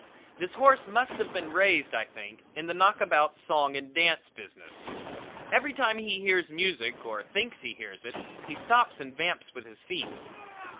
This horse must have been raised, I think, in the knockabout song and dance business. Every time he hears music or thinks he hears it he stops and vamps with his feet.